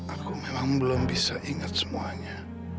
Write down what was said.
aku memang belum bisa ingat semuanya